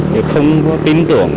để không tin tưởng